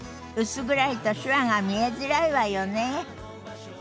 薄暗いと手話が見えづらいわよね。